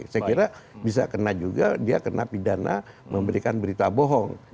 saya kira bisa kena juga dia kena pidana memberikan berita bohong